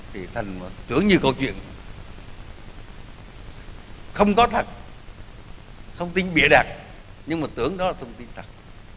thì thành tưởng như câu chuyện không có thật thông tin bịa đặt nhưng mà tưởng đó là thông tin thật